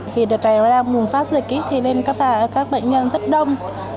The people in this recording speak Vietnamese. vì đợt này đang mùng phát dịch nên các bệnh nhân rất đông